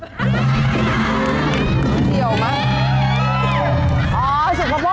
เกี่ยวมาก